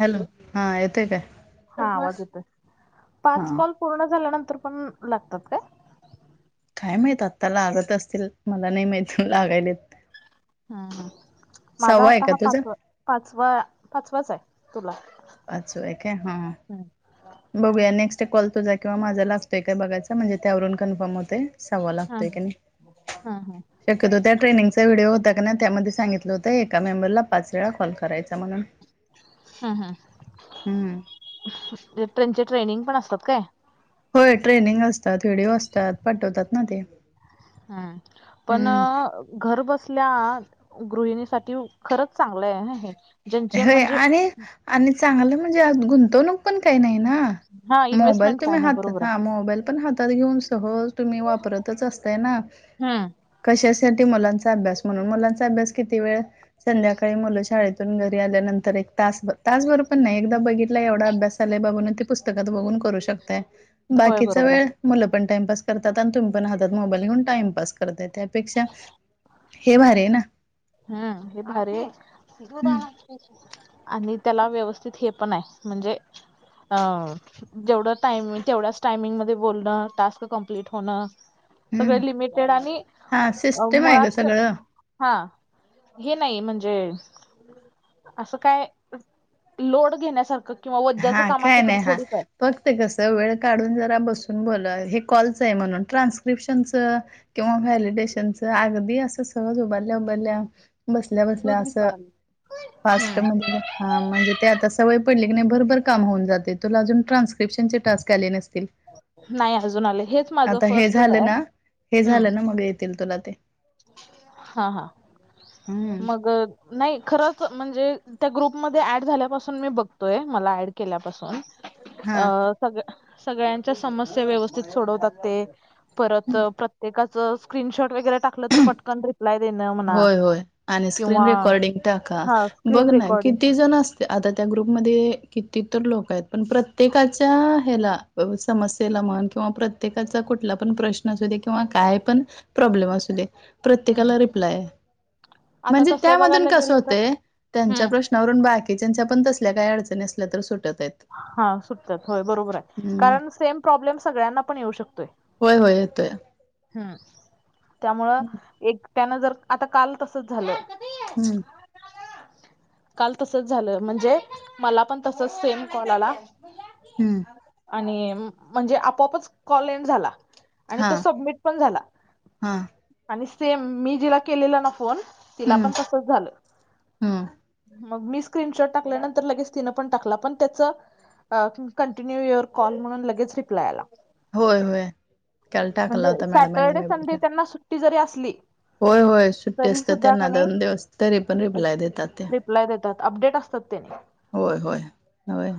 Hello हा येतेय काय? हा आवाज येतच, पाच हा कॉल पूर्ण झाल्यानंतर पण लागतात काय? काय माहित आत्ताला आडत असतील, मला नाही माहित लागायले. हम् माझा सहावा आहे आता का हा तुझा पाचवा पाचवा पाचवाच आहे, तुला पाच एके हा बघूया नेक्स्ट कॉ तझा किंवा माझा लागतोय काय बघायचा म्हणजे त्यावरून कन्फर्म होते. सवा हा लागतो एखने हा हा शक्यत हो त्या ट्रेनिंगचा व्हिडिओ होता का त्यामध्ये सांगितलं होतं एका मेंबरला पाच वेळा कॉल करायचा म्हणून हम्म हम् हम्म त्यांचे ट्रेनिंग पण असतात काय? होय ट्रेनिंग असतात व्हिडिओ डिओ असतात पाठवतात ना ते हम्म पण हम्म घर बसल्या गृहिणीसाठी खरंच चांगलंय हे. ज्यांचे हो म्हणजे आणि आणि चांगलं म्हणजे आ गुंतवणूक पण काही नाही ना. हा मोबाईल इन्व्हेस्टमेंट काय तुम्ही नाही हातात बरोबर हा मोबाईल पण हातात घेऊन सहज तुम्ही वापरतच असताय ना. हा कशासाठी मुलांचा अभ्यास म्हणून मुलांचा अभ्यास किती वेळ संध्याकाळी मुलं शाळेत घरी आल्यानंतर एक तास तास बर पण नाही एकदा बघितला एवढा अभ्यास झालाय बाब तेी पुस्तकात बघून करू शक होय बाकीचा बरोबर वेळ आहे मुलं पण टाइमपास करतात आणि तुम्ही पण हातात मोबाईल घेऊन टाइमपास करताय त्यापेक्षा हे भारी आहे ना. हम्म हे भारी आहे दूध हम्म आणयाला पैसे दे आणि त्याला व्यवस्थित हे पण आहे म्हणजे अ जेवढं टाइमंग तेवढ्याच टाइमिंगमध्येध्ये बोलणं टास्क कंप्लीट होण. हम्म सगळे लिमिटेड आणि हा सिस्टम आहे ग मुळात सगळं. हा हे नाही म्हणजे असं काय लोड घेण्यासारखं किंवा वज्याचं हा काम काय असे तर नाही हा थोडीच आहे. फक्त कसं वेळ काढून जरा बसून बोलला हे कॉलच आहे म्हणून ट्रान्स्क्रिप्शनचं किंवा व्हॅलिडेशनचं अगदी असं सगळच उभारल्या उभारल्या बसल्या बसल्या दूध अस विचारलं फास्ट मध्ये हा म्हणजे ते आता सवय पडली की नाही भरभर काम होऊन जाते तुला अजून ट्रान्स्क्रिप्शनचे टास्क आले नसतील. नाही अजून आले हेच माझं आता हे फर्स्टच झालं आहे. ना हे झालं ना मग येतील तुला ते. हा हा हम्म मग नाही खरच म्हणजे त्या ग्रुपमध्ये ऍड झाल्यापासून मी बघतोय मला ऍड केल्यापासून हा अ सग सगळ्यांच्या समस्या व्यवस्थित सोडवतात ते. परत प्रत्येकाचं स्क्रीनशॉट वगैरे टाकलं तर पटकन रिप्लाय देणं. म्हणा होय होय आणि स्क्रीन किंवा रेकॉर्डीिंग टाका हा बघ स्क्रीन ना रेकॉर्डिंग किती जण अस आता त्या ग्रुपमध्ये किती तरर लोक आहेत पण प्रत्येकाच्या ह्याला समस्येला म्हण किंवा प्रत्येकाचा कुठला पण प्रश्न असू दे किंवा काय पण प्रॉब्लेम असु दे हम्म. प्रत्येकाला हा आता म्हणजे तसं त्या मधून बघायला कस गेलं तर होतंय त्यांच्या हम्म. प्रश्न वरून बाकीचंच्या पण तसल्या काही अडचणी असल्या तर सुटत आहेत. हा सुटतात होय बरोबर आहे हम्म. कारण सेम प्रॉब्लेम सगळ्यांना पण येऊ शकतोय. होय होय येतोय. हम्म त्यामुळं एक त्यान जर आता काल तसच झालं हम्म काल तसच झालं म्हणजे मला पण तसच सेम कॉल आला हम्म आणि म्हणजे आपोपच कॉलएन्ड झाला आणि तो हां, सबमिट पण झाला हां. आणि सेम मी जिला केलेला ना फोन तिला हम्म, पण तसच झालं हम्म. मग मी स्क्रीनशॉट टाकल्यानंतर लगेच तीनपण टाकला पन त्याच कंटिन्यू युअर कॉल म्हणून लगेच रिप्लाय आला होय होय काल टाकला म्हणजे होता मॅडमांनी सॅटर्डे मी संडे बघितला. त्यांना सुट्टी जरी असली होय होय सुट्टी तरी असते सुद्धा का त्यांना नाही दोन दिवस तरी पण रिप्लाय देतात त्या रिपलाय देतात अपडेट असतात त्याने होय होय होय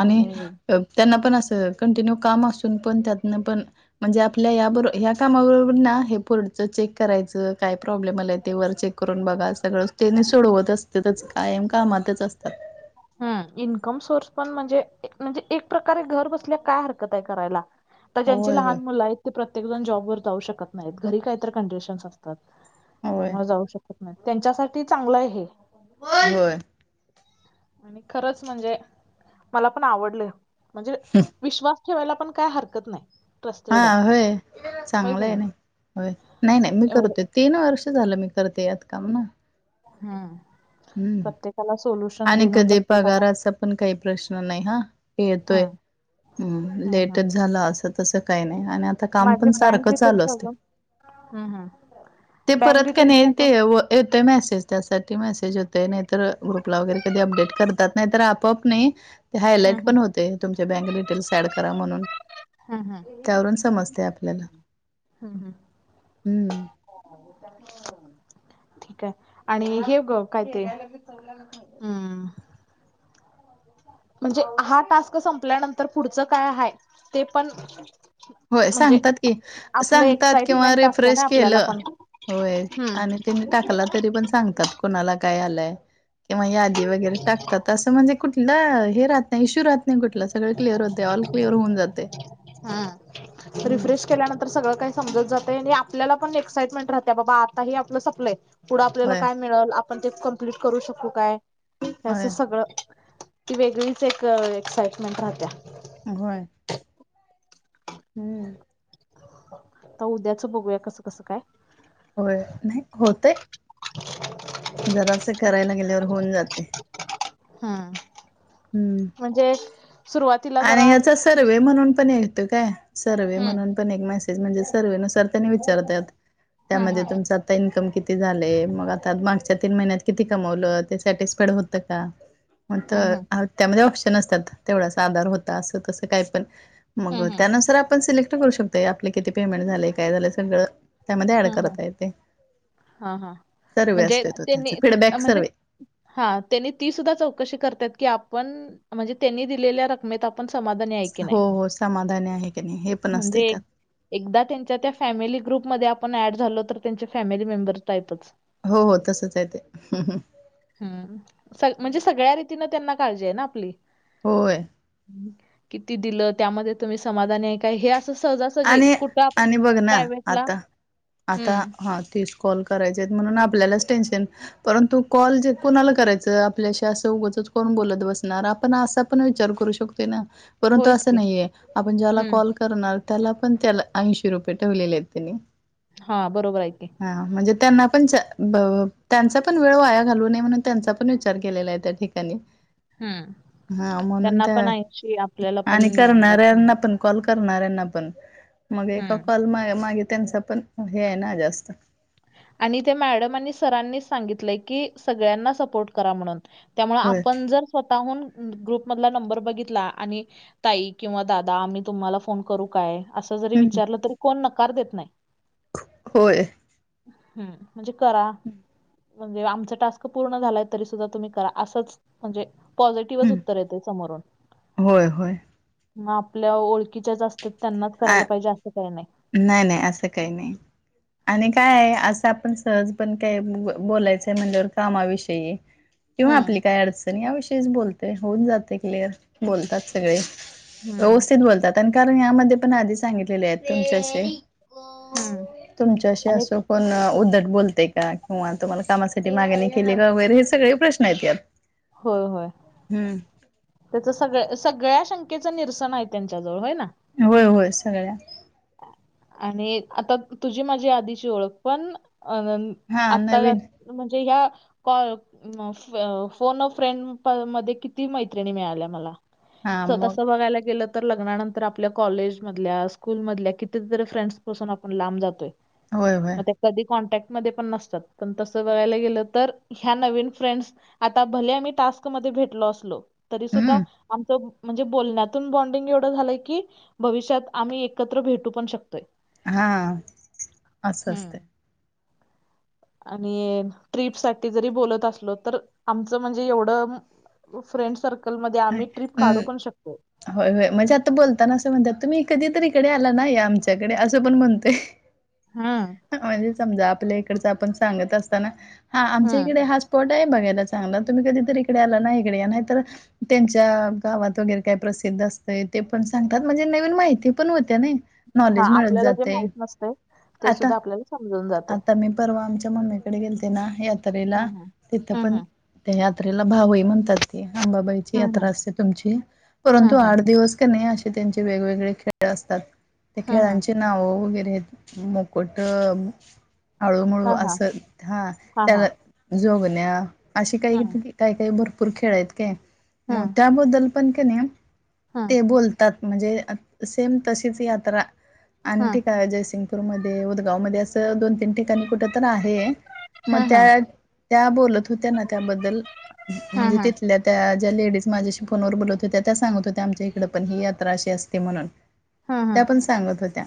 आणि त्यांना पण असं कंटिन्यू काम असून पण त्यांतन पण म्हणजे आपल्या या बरो ह कामाबरोबर ना हे पोर्डच चेक करायचं काय प्रॉब्लेम आलाय ते वर चेक करून बघा सगळच त्यांनी सोडवत अस त्यातच कायम कामातच असतात हु हम इन्कम सोर्स पण म्हणजे म्हणजे एक प्रकारे घर बसल्या काय हरकत आहे करायला तर ज्यांची होय लहान होय मुलं आहेत ते प्रत्येक जण जॉब वर जाऊ शकत नाहीत घरी काहीत कंडिशन्स असत होय त्यामुळे जाऊ शकत नाही त्यांच्यासाठी चांगलं आहे हे बोल होय आणि खरंच म्हणजे मला पण आवडलं म्हणजे विश्वास ठेवायला पण काय हरकत नाही हा ट्रस्टेड आहे होय होय की चांगलंय नाही ना होय नाही नाही मी एवढं करतेत तीन वर्ष झालं मी करते यात काम ना हम्म हम्म प्रत्येकालाच आणि कधी पगाराचा पण काही प्रश्न नाही हा हे येतोय हम्म हम्म लेटच झाला असं तसं काही नाही आणि आता काम माझे पण बँक सारखं चालू डिटेल्स असते अजून हम्म हम्म ते बँक परत का डिटेल्स नाही अजून तेव येतोय मेसेज त्यासाठी मेसेज येतोय नाहीतर ग्रुपला वगैरे कधी अपडेट करतात नाहीतर आपआप नाही ते हम्म हायलाइट हम्म पण होते तुमचे बँक रिटेल्स ऍड करा म्हणून हम्म हम्म त्यावरून समजते आपल्याला हम्म हम्म हम्म [inaudible] ठीक आहे आणि हेव ग काय ते हम्म म्हणजे हा टास्क संपल्यानंतर पुढचं काय आहे ते पण होय म्हणजे सांगतात की आपलं सांगतात किंवा एक्साइटमेंट असत रिफ्रेश ना आपल्याला केलं पण होय आणि तीने टाकला तरी पण सांगतात कुणाला काय आलं किंवा यादि वगैरे टाकतात अस म्हणजे कुठला हे राहत नाही इश्यू राहत नाही कुठ सगळे क्लिअर होते ऑल कलिअर होऊन जाते हा हम्म रिफ्रेश केल्यानंतर सगळं काही समजत जाते आणि आपल्याला पण एक्इटमेंट राहत बाबा आता आपलं सपलंय पुढं आपल्याला होय काय मिळल पण ते कमप्लीट करू शकू काय हे असं होय सगळं ती वेगळीच एक एक्साइटमेंट राहत्या घय हम्म आता उद्याच बघूया कसं कसं काय होय नाही होतंय जरासं करायला गेल्यावर होऊन जाते हम्म हम्म म्हणजे सुरुवात आणि याचा सर्वे म्हणून पण येतं काय सर्वे हम्म म्हणून पण एक मेसेज म्हणजे सर्वेनुसार त्यांनी विचारतात हम्म त्यामध्ये हम्म तुमचा आता इन्कम किती झालय मग आता मागच्या तीन महिन्यात किती कमवलं ते सॅटिस्फाईड होतं का? [inaudible] मग तर हं. त्यामध्ये ऑप्शन असतात तेवढाचं आधार होता असं तसं काय पण हं, मग हं. त्यानुसार आपण सिलेक्ट करू शकतोय आपले किती पेमेंट झालेय काय झालंय सगळं त्यामध्ये ऍड हं, हं. करता येते हां, हां. सर्वे असतो तो त्यांचा फीडबॅक सर्वे हा त्यांनी ती सुद्धा चौकशी करत्यात की आपण म्हणजे त्यांनी दिलेल्या रक्कमेत पण समाधानी आहे की नाही हो हो समाधानी आहे की नाही हे पण असतंय म्हणजे त्यात एकदा त्यांच्या त्या फॅमिली ग्रुपमध्ये आपण ऍड झालो तर त्यांचे फॅमिली मेंबर आहेतचं हो हो तसच आहे ते हम्म हम्म स म्हणजे सगळ्या रीतीनें त्यांना काळजी आहे ना आपली होय किती दिलं त्यामध्ये तुम्ही समाधानी आहे काय हे असं सहजा सहजी आणि कुठं आपण आणि बघ ना प्राव्हेट ला आता आता हा तीस कॉल करायचे आहेत म्हणून आपल्यालाच टेन्शन परंतु कॉल जे कोणाला करायचं आपल्याशी असं उगचच कोण बोलत बसणार आपण असा पण विचार करू शकतो य ना परंतु होयच असं की. नाहीये आपण ज्याला हं. कॉल करणार त्याला पण त्याला ऐंशी रुपये ठेवलेले आहेत त्यांनी हा बरोबर आहे की हा म्हणजे त्यांना पण त्यांचा पण वेळ वाया घालू नये म्हणून त्यांचा पण विचार केलेला आहे त्यांनी हं. हा म्हणून त्यांना पण त्या ऐंशी आपल्याला पण आणि मिळणार त्यांना करणाऱ्यांना पण कॉल करणारऱ्यांना पण मग एका हम्म कॉल मागे त्यांचा पण हे आहे ना जास्त आणि ते मॅडम आणि सरांनी सांगितलंय की सगळ्यांना सपोर्ट करा म्हणून त्यामुळे होय आपण जर स्वतःहून ग्रुप मधला नंबर बघितला आणि ताई किंवा दादा मी तुम्हाला फोन करू काय असं जरी हम्म विचारलं तरी कोण नकार देत नाही होय हम्म म्हणजे करा म्हणजे आमचं टास्क पूर्ण झालाय तरी सुद्धा तुम्ही करा असंच म्हणजे पझिटिव्हच हं उत्तर येतय समोरून होय होय आपल्या ओळखीच्या असतात तर त्यांनाच आ करायला पाहिजे असं काही नाही नाही नाही असं काही नाही आणि काय आहे असं आपण सहज पण काय बोलायचंय म्हणल्यावर कामा विषयी किंवा हम्म आपली काय अडचण याविषयीच बोलतोय होऊन जाते क्लिअर बोलतात सगळे हम्म व्यवस्थित बोलतात आणि कारण यामध्ये पण आधी सांगितलेले आहेत तुमचे असे हम्म तुमच्याशी आणि असो कोण उद्धट बोलते का किंवा तुम्हाला कामासाठी मागणी केली का वगैरे हे सगळे प्रश्न आहेत यात हो होय हम्म त्याच सगळ्या सगळ्या शंकेचं निरसन आहे त्यांच्याजवळ होय ना होय होय सगळ्या आणि आता तुझी माझी आधीची ओळख पण अ हा आता नवीन म्हणजे ह्या क म फोन व फ्रेंड मध्ये किती मैत्रिणी मिळाल्या मला हा मग तसं बघायला गेलं तर लग्नानंतर आपल्याला कॉलेजमधल्या स्कूल मधल्या कितीतरी फ्रेंड्स पासून आपण लांब जातोय होय होय मग त्या कधी कॉन्टॅक्ट मध्ये पण नसतात पण तसं बघायला गेलं तर ह्या नवीन फ्रेंड्स आता भले आम्ही टास्कमध्ये भेटलो असलो तरी सुद्धा हम्म आमच म्हणजे बोलण्यातून बॉडिंग एवढं झालंय की भविष्यात आम्ही एकत्र भेटू पण शकतोय हां असं हम्म असतय आणि ट्रिप साठी जरी बोलत असलो तर आमचं म्हणजे एवढं फ्रेंड सर्कलमध्ये आम्ही ट्रिप काढू हम्म. पण शकतोय होय, होय म्हणजे आता बोलताना असं म्हणतात तुम्ही कधीतरी इकडे आला ना या आमच्याकडे असं पण म्हणतोय ह म्हणजे समजा आपल्या इकडच आपण सांगत असताना हा आमच्या हम्म इकडे हा स्पोट आहे बघायला चांगला तुम्ही कधी तर इकडे आला ना इकडे नाही तर त्यांच्या गावात वगैरे काय प्रसिद्ध असतं ते पण सांगतात म्हणजे नवीन माहिती पण होत्या ना हा नॉलेज मिळत आपल्याला जे जातय माहित नसतंय ते आता, सुद्धा आपल्याला समजून जाते आता मी परवा आमच्या मम्मीकडे गेलते ना हे त्रेला हम्म तिथं हम्म पण हम्म त्या यात्रेला भावई म्हणतात हांबाबाईची हम्म यात्रा असते तुमची परंतु हम्म हम्म आठ दिवस क नाही अशी त्यांचे वेगवेगळे खेळ असतात त्या हम्म हम्म खेळांचे नाव वगैरे मो कोटं आळूमळू हा हा असं हां हा हा त्याला जोगण्या अशी काही, हम्म काही, काही भरपूर खेळ आहेत काय हा मग त्याबद्दल पण का नाही हा ते बोलतात म्हणजे सेम तशीच यात्रा हा आण ती काय जयसिंग पूर मध्ये उदगाव मध्ये असं दोन, तीन ठिकाणी कुठ तर आहे मग हा हा त्या त्या बोलत होत्याना त्याबद्दल हा म्हणजे हा तिथल्या त्या ज्या लेडीज माझ्याशी फोनवर बोलत होत्या त्या सांगत होत्या आमच्या इकडे पण ही यात्रा अशी असते म्हणून हा हा त्या पण सांगत होत्या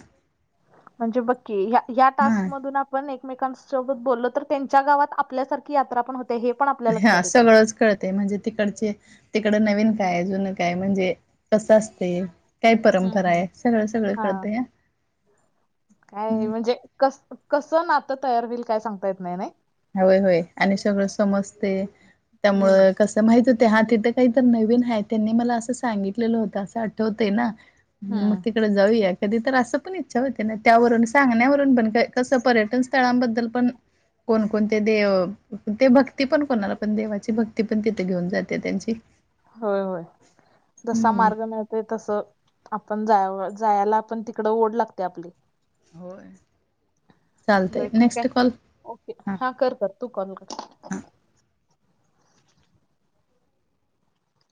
म्हणजे बक्की ह्या, ह्या हा टास्कमधून आप पण एकमेकांसोबत बोलल तर त्यांच्या गावात आपल्यासारखी यात्रा पण होते ते हे पण आप ह्या सगळंच कळते म्हणजे तिकडचे तिकड नवीन काय जुन काय म्हणजे कसं असते काही हम्म परंपरा हम्म आहे सगळं, सगळं हा कळत आ काय म्हणजे कस, कसं नातं तयार होईल काय सांगता येत नाही नाही होय, होय आणि सगळं समजते त्यामुळे हम्म कस माहित होते हा तिथं काही तर नवीन आहे त्यांनी मला असं सांगितलेलं होतं असं आठवते ना म हम्म ते जाऊया कधी तर असं पण इच्छा होते ना त्यावरून सांगण्यावरून पण कसं पर्यटन स्थळांबद्दल पण कोणकोणते देव ते भक्ती पण कोणाला पण देवाची भक्ती पण तिथे घेऊन जाते त्यांची होय, होय जसा हम्म मार्ग मिळत ते तसं आपण जाय जायला आपण तिकड ओढ लागते आपली होय चालतय बरं ठीक आहे नेक्स्ट कॉल. ओके हा कर, कर तू कॉल कर